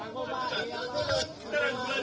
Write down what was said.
untuk audience yang banyak banget